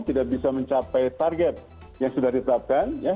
tidak bisa mencapai target yang sudah ditetapkan